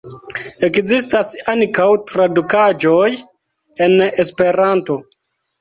Ekzistas ankaŭ tradukaĵoj en Esperanto.